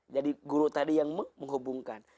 jadi guru tadi yang menghubungkan